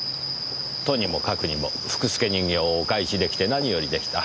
とにもかくにも福助人形をお返し出来て何よりでした。